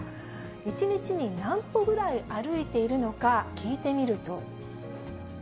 １日に何歩ぐらい歩いているのか聞いてみると。